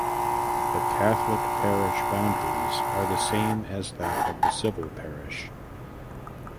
The Catholic parish boundaries are the same as that of the civil parish.